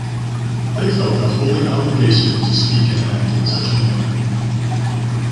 They felt a holy obligation to speak and act in such a manner.